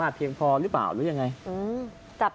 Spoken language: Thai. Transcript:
เอ้าใครเอาเลือกหน่อยก่อน